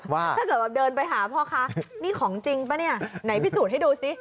ถ้าเกิดแบบเดินไปหาพ่อค้านี่ของจริงป่ะเนี่ยไหนพิสูจน์ให้ดูซิ